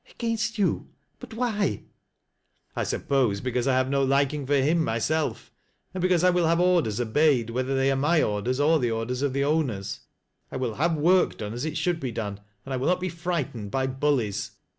'' Against you ? But why 1 "" I suppose because I have no liking for him myself, and because I will have orders obeyed, whether they are my orders or the orders of the owners. I will have work done as it should be done, and I will not be frightened by bullies."